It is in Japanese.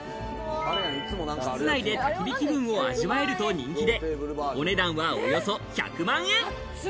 室内でたき火気分を味わえると人気で、お値段はおよそ１００万円。